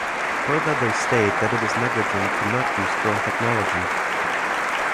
Further they state that it is negligent to not use drone technology.